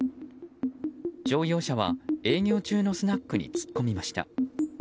乗用車は営業中のスナックに突っ込みました。